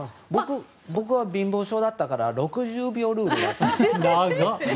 僕は貧乏性だったから６０秒ルールでしたけども。